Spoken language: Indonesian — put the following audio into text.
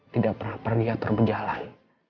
tidak pernah pergi atau berjalan